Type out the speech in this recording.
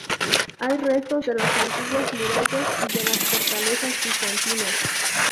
Hay restos de las antiguas murallas y de las fortalezas bizantinas.